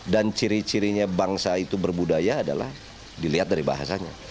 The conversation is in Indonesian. dan ciri cirinya bangsa itu berbudaya adalah dilihat dari bahasanya